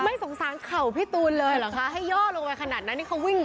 ไม่สงสารเข่าพี่ตูนเลยเหรอคะให้ย่อลงไปขนาดนั้นนี่เขาวิ่งไป